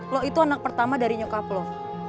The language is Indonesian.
lo itu anak pertama dari nyokap lo